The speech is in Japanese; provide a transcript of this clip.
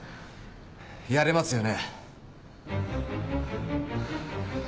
やれますよね？